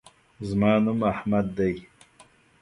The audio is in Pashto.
زما نوم احمد دے